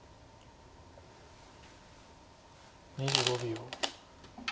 ２５秒。